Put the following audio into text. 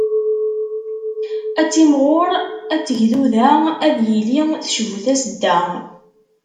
Ad timɣur, ad tegduda, ad iyi-tecbu tasedda.